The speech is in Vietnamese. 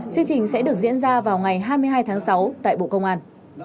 chương trình sẽ được diễn ra vào ngày hai mươi hai tháng sáu tại bộ công an